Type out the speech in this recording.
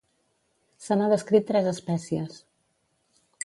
Se n'ha descrit tres espècies.